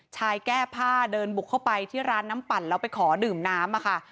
แก้ผ้าเดินบุกเข้าไปที่ร้านน้ำปั่นแล้วไปขอดื่มน้ำค่ะ